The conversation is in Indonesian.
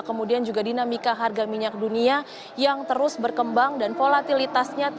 kemudian juga dinamika harga minyak dunia yang terus berkembang dan volatilitasnya